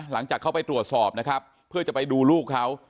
หลังจากเข้าไปตรวจสอบนะครับเพื่อจะไปดูลูกเขา